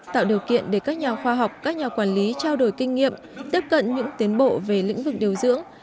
tạo điều kiện để các nhà khoa học các nhà quản lý trao đổi kinh nghiệm tiếp cận những tiến bộ về lĩnh vực điều dưỡng